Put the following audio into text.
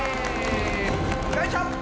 よいしょ！